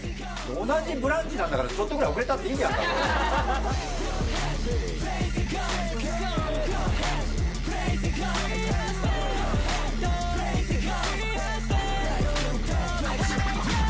同じ「ブランチ」なんだからちょっとぐらい遅れたっていいじゃんかよ